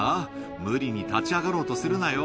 無理に立ち上がろうとするなよ。